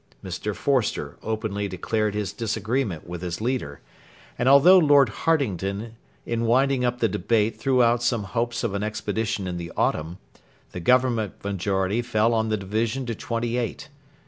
Mr. Forster openly declared his disagreement with his leader; and although Lord Hartington in winding up the debate threw out some hopes of an expedition in the autumn, the Government majority fell on the division to twenty eight.